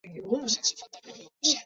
电荷密度也可能会跟位置有关。